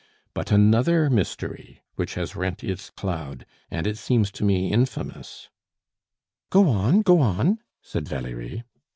But another mystery which has rent its cloud, and it seems to me infamous " "Go on, go on," said Valerie.